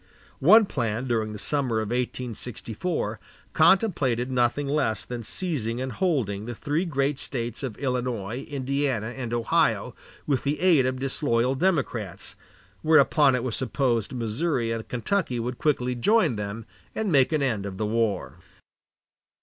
One plan during the summer of 1864 contemplated nothing less than seizing and holding the three great States of Illinois, Indiana, and Ohio, with the aid of disloyal Democrats, whereupon it was supposed Missouri and Kentucky would quickly join them and make an end of the war.